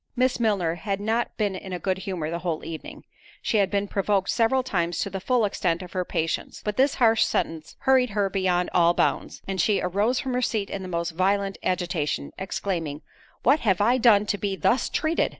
Miss Milner had not been in a good humour the whole evening—she had been provoked several times to the full extent of her patience: but this harsh sentence hurried her beyond all bounds, and she arose from her seat in the most violent agitation, exclaiming, "What have I done to be thus treated?"